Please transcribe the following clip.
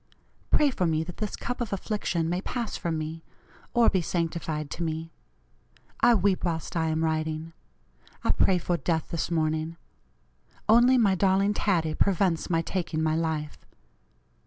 Pray for me that this cup of affliction may pass from me, or be sanctified to me. I weep whilst I am writing. I pray for death this morning. Only my darling Taddie prevents my taking my life.